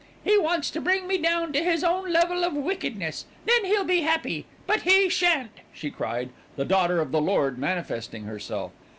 He wants to bring me down to his own level of wickedness, then he'll be happy; but he shan't," she cried, the Daughter of the Lord manifesting herself.